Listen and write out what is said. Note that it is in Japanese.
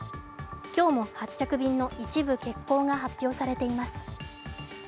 今日も発着便の一部欠航が発表されています。